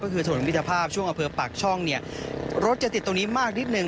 ก็คือถนนมิตรภาพช่วงอำเภอปากช่องเนี่ยรถจะติดตรงนี้มากนิดนึ